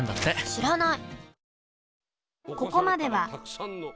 知らない！